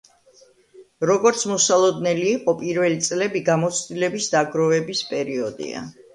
როგორც მოსალოდნელი იყო, პირველი წლები გამოცდილების დაგროვების პერიოდია.